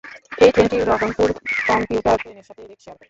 এই ট্রেনটি রহনপুর কমিউটার ট্রেনের সাথে রেক শেয়ার করে।